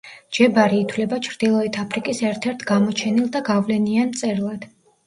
ჯებარი ითვლება ჩრდილოეთ აფრიკის ერთ-ერთ გამოჩენილ და გავლენიან მწერლად.